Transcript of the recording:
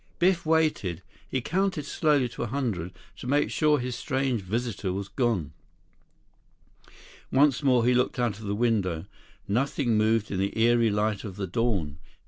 Biff waited. He counted slowly to a hundred, to make sure his strange visitor was gone. Once more he looked out the window. Nothing moved in the eerie light of the dawn.